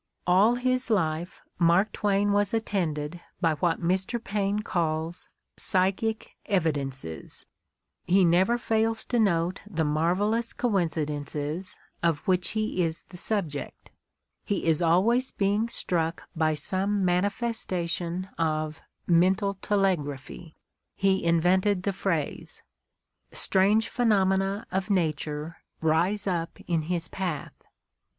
All his life Mark Twain was attended by what Mr. Paine calls "psychic evidences"; he never fails to note the marvel ous coincidences of which he is the subject; he is always being struck by some manifestation of '"mental teleg raphy" — he invented the phrase; strange phenomena of nature rise up in his path.